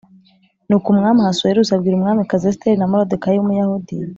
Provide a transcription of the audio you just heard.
Nuko umwami ahasuwerusi abwira umwamikazi esiteri na moridekayi w umuyahudi